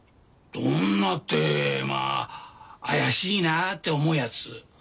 どんなってまあ怪しいなって思うやつ。